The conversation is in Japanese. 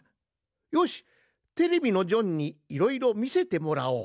よしテレビのジョンにいろいろみせてもらおう。